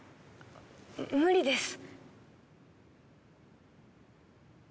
無理です。